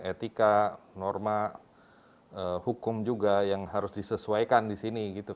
etika norma hukum juga yang harus disesuaikan disini gitu kan